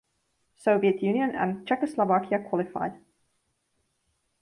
Soviet Union and Czechoslovakia qualified.